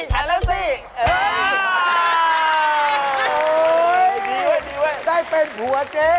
ใครอยากเป็นผัวเจ๊